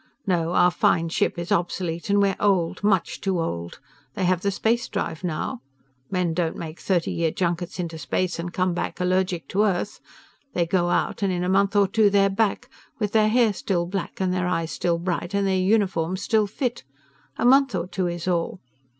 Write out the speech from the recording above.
No, our fine ship is obsolete and we're old, much too old. They have the spacedrive now. Men don't make thirty year junkets into space and come back allergic to Earth. They go out, and in a month or two they're back, with their hair still black and their eyes still bright and their uniforms still fit. A month or two is all.